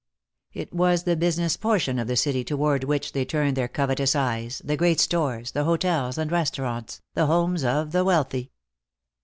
It was the business portion of the city toward which they turned their covetous eyes, the great stores, the hotels and restaurants, the homes of the wealthy.